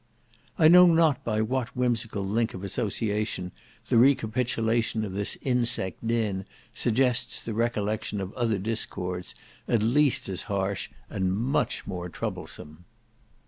I know not by what whimsical link of association the recapitulation of this insect din suggests the recollection of other discords, at least as harsh and much more troublesome.